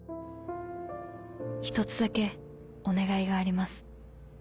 「１つだけお願いがあります。